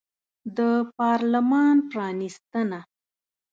د پارلمان پرانیستنه